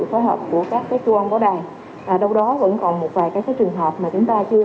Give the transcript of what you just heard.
phối hợp của các cái chú ông báo đài đâu đó vẫn còn một vài cái cái trường hợp mà chúng ta chưa